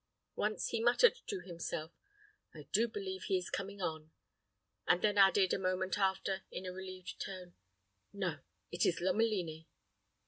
Once he muttered to himself, "I do believe he is coming on;" and then added, a moment after, in a relieved tone, "No, it is Lomelini."